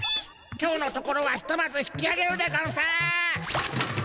今日のところはひとまず引きあげるでゴンス！